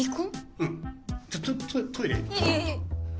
うん。